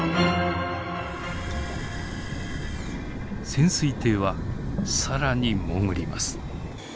潜水艇は更に潜ります。